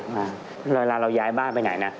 มาเวลาเราย้ายบ้านไปไหนนะ